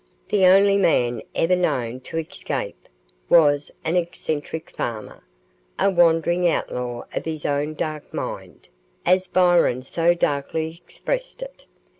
The only man ever known to escape was an eccentric farmer, a "wandering outlaw of his own dark mind," as Byron so darkly expressed it.